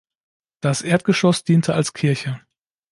Das Erdgeschoss diente als Kirche.